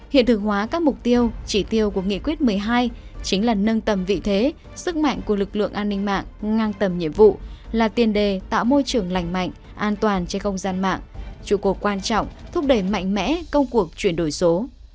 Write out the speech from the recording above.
hiện thực hóa các mục tiêu chỉ tiêu của nghị quyết một mươi hai chính là nâng tầm vị thế sức mạnh của lực lượng an ninh mạng ngang tầm nhiệm vụ là tiền đề tạo môi trường lành mạnh an toàn trên không gian mạng trụ cột quan trọng thúc đẩy mạnh mẽ công cuộc chuyển đổi số